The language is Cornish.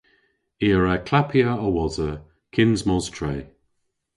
I a wra klappya a-wosa kyns mos tre.